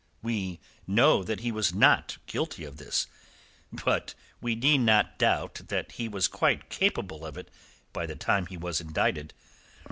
We know that he was not guilty of this; but we need not doubt that he was quite capable of it by the time he was indicted.